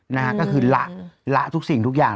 นะฮะก็คือละละทุกสิ่งทุกอย่าง